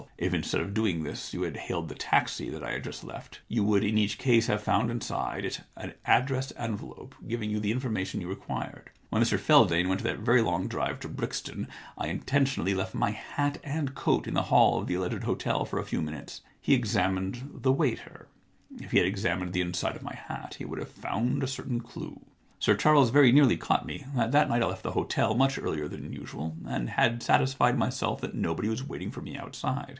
If, instead of doing this, you had hailed the taxi that I had just left, you would in each case have found inside it an addressed envelope giving you the in formation you required. When Mr Feldane went for that very long drive to Brixton, I intentionally left my hat and coat in the hall of the alleged hotel for a few minutes. He examined the waiter ; if he had examined the inside of my hat he would have found a certain clue. Sir Charles very nearly caught me. That night I left the hotel much earlier than usual, and had satisfied myself that nobody was waiting for me outside.